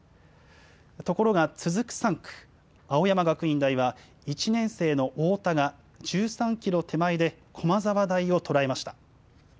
ところが続く３区、青山学院大は、１年生の太田が１３キロ手前で駒沢大を捉えました。